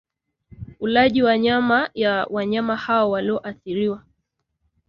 ulaji wa nyama ya wanyama hao walioathiriwa